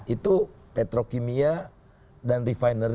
itu tetrokimia dan refinery